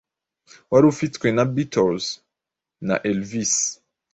wari ufitwe na Beatles na Elvis,